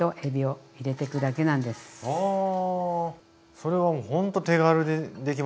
それはもうほんと手軽にできますね。